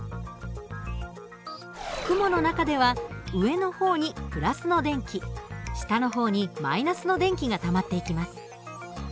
雲の中では上の方に＋の電気下の方に−の電気がたまっていきます。